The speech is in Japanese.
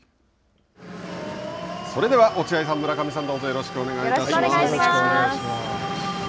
それでは落合さん、村上さんよろしくお願いします。